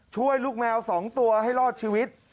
ช่วยลูกแมว๒ตัวให้รอดชีวิต